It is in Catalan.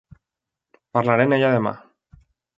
Parlaré amb ella demà.